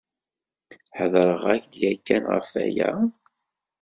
Hedreɣ-ak-d yakan ɣef aya?